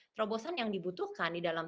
terobosan yang dibutuhkan di dalam